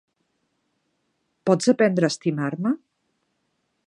Pots aprendre a estimar-me?